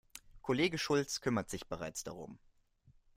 Kollege Schulz kümmert sich bereits darum.